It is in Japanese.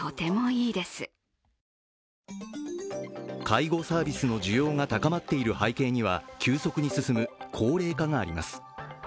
介護サービスの需要が高まっている背景には急速に進む高齢化があります。